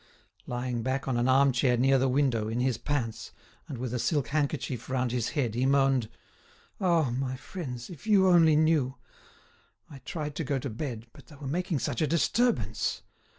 Lying back on an arm chair near the window, in his pants, and with a silk handkerchief round his head, he moaned: "Ah! my friends, if you only knew!—I tried to go to bed, but they were making such a disturbance!